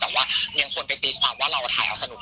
แต่ว่ายังคนไปตีความว่าเราถ่ายเอาสนุก